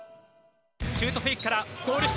シュートフェイクからゴール下。